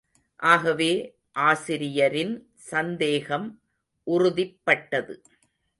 ஆகவே, ஆசிரியரின் சந்தேகம் உறுதிப்பட்டது.